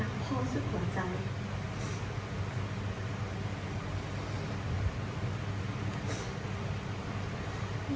รักพ่อสุขของใจ